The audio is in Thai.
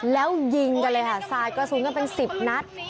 แล้วยิงกันเลยค่ะสาดกระสุนกันเป็น๑๐นัด